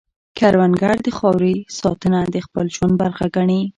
کروندګر د خاورې ساتنه د خپل ژوند برخه ګڼي